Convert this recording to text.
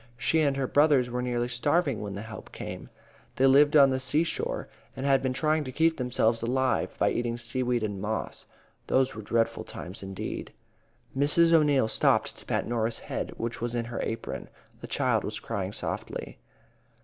She and her brothers were nearly starving when the help came. They lived on the seashore and had been trying to keep themselves alive by eating seaweed and moss. Those were dreadful times, indeed. Mrs. O'Neil stopped to pat Norah's head, which was in her apron. The child was crying softly.